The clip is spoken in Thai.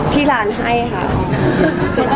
ที่ร้านให้ค่ะ